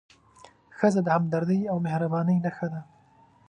ښځه د همدردۍ او مهربانۍ نښه ده.